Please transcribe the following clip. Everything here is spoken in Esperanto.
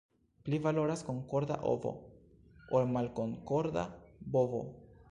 Pli valoras konkorda ovo, ol malkonkorda bovo.